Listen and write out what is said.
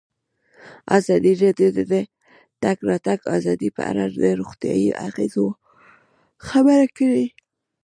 ازادي راډیو د د تګ راتګ ازادي په اړه د روغتیایي اغېزو خبره کړې.